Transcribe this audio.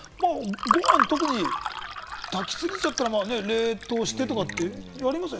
ご飯炊きすぎちゃったら冷凍してとかって、やりますよね？